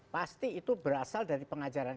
pasti itu berasal dari pengajaran